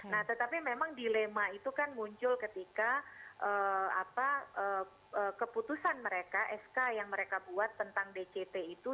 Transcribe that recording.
nah tetapi memang dilema itu kan muncul ketika keputusan mereka sk yang mereka buat tentang dct itu